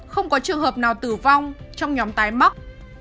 không có trường hợp nào tử vong trong nhóm tái mắc